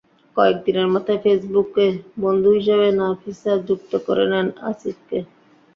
কয়েক দিনের মাথায় ফেসবুকে বন্ধু হিসেবে নাফিসা যুক্ত করে নেন আসিফকে।